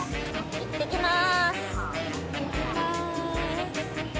いってきます。